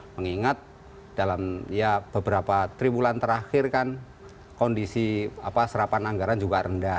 mengingat dalam ya beberapa tribulan terakhir kan kondisi serapan anggaran juga rendah